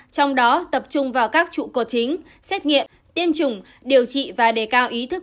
trong đó tập trung vào các trụ cột chính xét nghiệm tiêm chủng điều trị và đề cao ý thức